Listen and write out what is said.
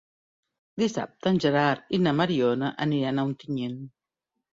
Dissabte en Gerard i na Mariona aniran a Ontinyent.